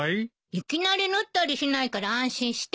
いきなり縫ったりしないから安心して。